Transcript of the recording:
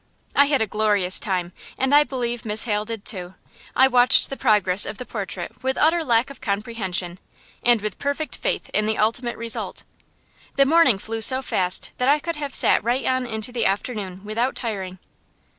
I had a glorious time, and I believe Miss Hale did too. I watched the progress of the portrait with utter lack of comprehension, and with perfect faith in the ultimate result. The morning flew so fast that I could have sat right on into the afternoon without tiring.